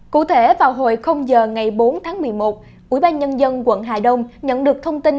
cụ thể vào hồi giờ ngày bốn tháng một mươi một ủy ban nhân dân quận hà đông nhận được thông tin